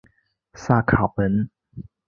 萨卡文。